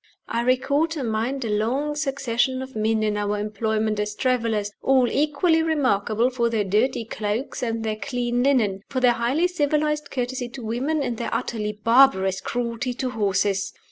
I recall to mind a long succession of men in our employment as travelers, all equally remarkable for their dirty cloaks and their clean linen, for their highly civilized courtesy to women and their utterly barbarous cruelty to horses.